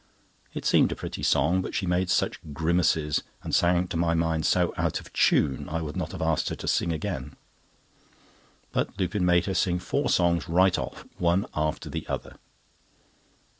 It seemed a pretty song, but she made such grimaces, and sang, to my mind, so out of tune, I would not have asked her to sing again; but Lupin made her sing four songs right off, one after the other.